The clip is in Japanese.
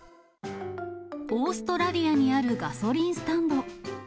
オーストラリアにあるガソリンスタンド。